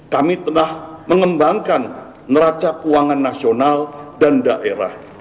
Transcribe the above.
kami telah mengembangkan neraca keuangan nasional dan daerah